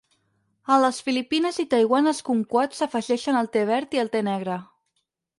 A les Filipines i Taiwan els cumquats s'afegeixen al te verd i el te negre.